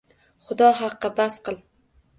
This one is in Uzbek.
Xudo haqqi, bas qiling!